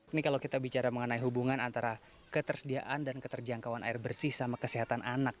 ini kalau kita bicara mengenai hubungan antara ketersediaan dan keterjangkauan air bersih sama kesehatan anak